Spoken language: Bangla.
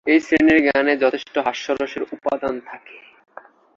এই শ্রেণীর গানে যথেষ্ট হাস্যরসের উপাদান থাকে।